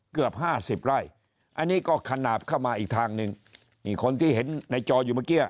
เกือบห้าสิบไร่อันนี้ก็ขนาดเข้ามาอีกทางหนึ่งนี่คนที่เห็นในจออยู่เมื่อกี้